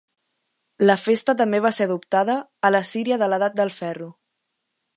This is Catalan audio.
La festa també va ser adoptada a l'Assíria de l'Edat del Ferro.